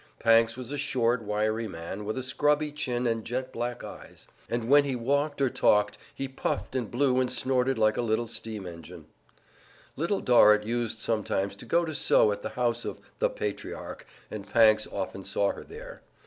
Pancks was a short, wiry man, with a scrubby chin and jet black eyes, and when he walked or talked he puffed and blew and snorted like a little steam engine. Little Dorrit used sometimes to go to sew at the house of "The Patriarch," and Pancks often saw her there.